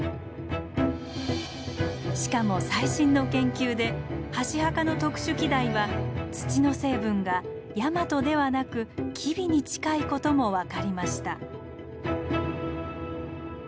しかも最新の研究で箸墓の特殊器台は土の成分がヤマトではなく吉備に近いことも分かりました。